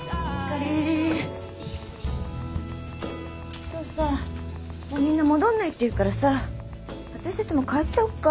今日さもうみんな戻んないっていうからさ私たちも帰っちゃおうか。